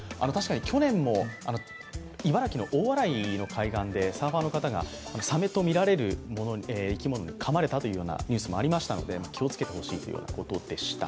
去年も茨城の大洗の海岸でサーファーの方がサメとみられる生き物にかまれたというニュースもありましたので気をつけてほしいということでした。